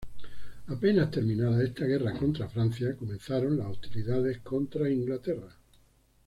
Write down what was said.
Apenas terminada esta guerra contra Francia, comenzaron las hostilidades contra Inglaterra.